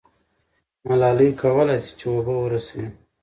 ملالۍ کولای سي چې اوبه ورسوي.